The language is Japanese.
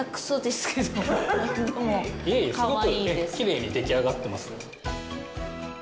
すごくきれいにでき上がってます。